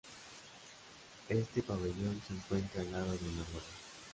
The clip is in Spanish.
Este pabellón se encuentra al lado de Noruega.